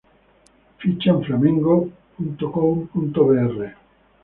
Ficha en Flamengo.com.br